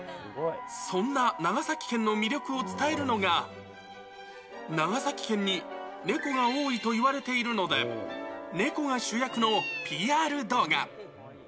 そんな長崎県の魅力を伝えるのが、長崎県に猫が多いと言われているので、猫が主役のＰＲ動画。